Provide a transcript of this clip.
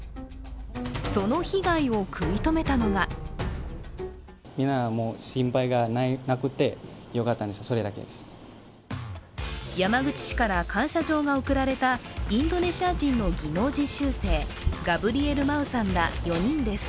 その被害を食い止めたのが山口市から感謝状が贈られた、インドネシア人の技能実習生、ガブリエル・マウさんら４人です。